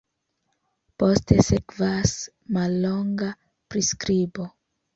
Poste sekvas mallonga priskribo.